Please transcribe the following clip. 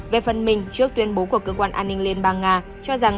về phần mình trước tuyên bố của cơ quan an ninh liên bang nga cho rằng